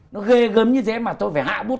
nó ghê gấm như thế mà tôi phải hạ bút